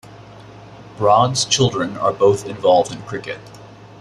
Broad's children are both involved in cricket.